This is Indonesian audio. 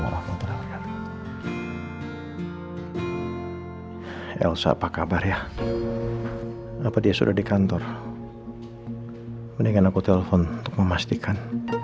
elsa apa kabar ya apa dia sudah di kantor mendingan aku telepon untuk memastikan